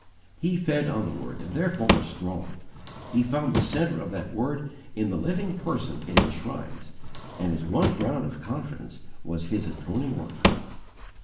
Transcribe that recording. He fed on the Word and therefore was strong. He found the centre of that Word in the living Person it enshrines, and his one ground of confidence was His atoning work.